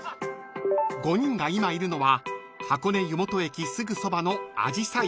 ［５人が今いるのは箱根湯本駅すぐそばの］